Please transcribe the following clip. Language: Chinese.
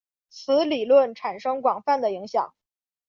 此理论产生广泛的影响。